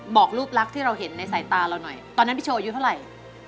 บอกรูปลักษณ์ที่เราเห็นในสายตาเราหน่อยตอนนั้นพี่โชว์อายุเท่าไหร่